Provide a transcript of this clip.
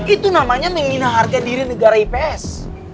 itu namanya menghina harga diri negara ips